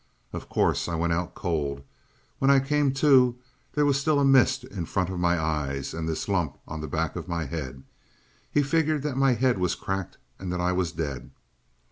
"Of course I went out cold. When I came to there was still a mist in front of my eyes and this lump on the back of my head. He'd figured that my head was cracked and that I was dead.